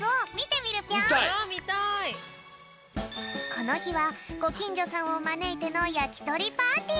このひはごきんじょさんをまねいてのやきとりパーティー。